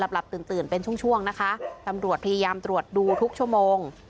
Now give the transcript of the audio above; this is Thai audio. หลับตื่นตื่นเป็นช่วงช่วงนะคะตำรวจพยายามตรวจดูทุกชั่วโมง